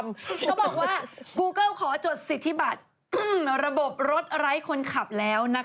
เขาบอกว่ากูเกิ้ลขอจดสิทธิบัติระบบรถไร้คนขับแล้วนะคะ